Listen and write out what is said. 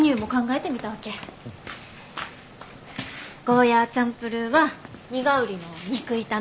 ゴーヤーチャンプルーはニガウリの肉炒め。